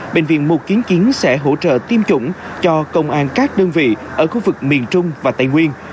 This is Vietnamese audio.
bệnh viện mục kiến kiến sẽ hỗ trợ tiêm chủng cho công an các đơn vị ở khu vực miền trung và tây nguyên